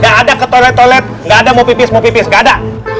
gak ada ke toilet toilet gak ada mau pipis pipis gak ada